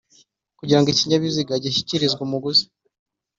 kugirango ikinyabiziga gishyikirizwe umuguzi.